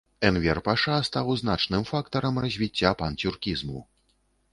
Энвер-паша стаў значным фактарам развіцця панцюркізму.